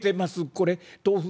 これ豆腐